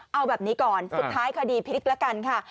เอาแบบนี้ก่อนสุดท้ายคดีพลิกแล้วกันค่ะ